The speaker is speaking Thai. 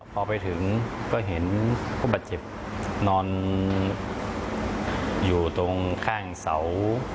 พอไปถึงก็เห็นผู้บาดเจ็บนอนอยู่ตรงข้างเสา